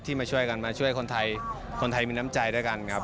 มาช่วยกันมาช่วยคนไทยคนไทยมีน้ำใจด้วยกันครับ